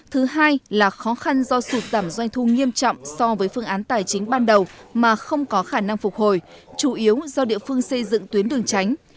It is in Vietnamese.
thứ hai là khó khăn do sụt giảm doanh thu nghiêm trọng so với phương án tài chính ban đầu mà không có khả năng phục hồi chủ yếu do địa phương xây dựng tuyến đường tránh